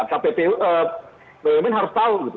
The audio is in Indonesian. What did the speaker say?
bumn harus tahu